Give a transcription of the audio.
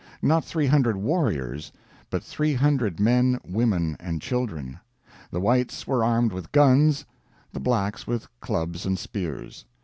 Not 300 warriors, but 300 men, women, and children. The Whites were armed with guns, the Blacks with clubs and spears.